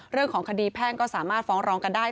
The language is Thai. เรื่องของคดีแพ่งก็สามารถฟ้องร้องกันได้